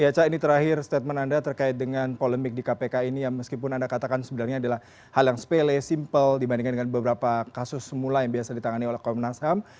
ya cak ini terakhir statement anda terkait dengan polemik di kpk ini yang meskipun anda katakan sebenarnya adalah hal yang sepele simple dibandingkan dengan beberapa kasus semula yang biasa ditangani oleh komnas ham